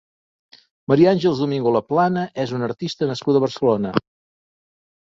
Maria Àngels Domingo Laplana és una artista nascuda a Barcelona.